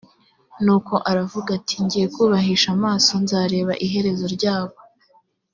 nuko aravuga ati «ngiye kubahisha amaso, nzarebe iherezo ryabo